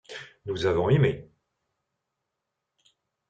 Nous avons aimé.